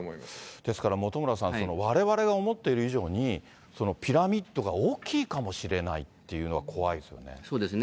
ですから本村さん、われわれが思っている以上に、ピラミッドが大きいかもしれないというのが怖いですよね。